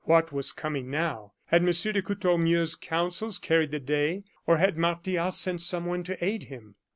What was coming now? Had M. de Courtornieu's counsels carried the day, or had Martial sent someone to aid him?